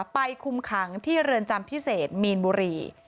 คุมขังที่เรือนจำพิเศษมีนบุรี